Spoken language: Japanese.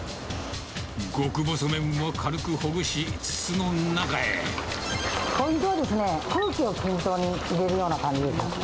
極細麺を軽くほぐし、筒の中ポイントは、空気を均等に入れるような感じです。